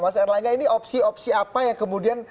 mas erlangga ini opsi opsi apa yang kemudian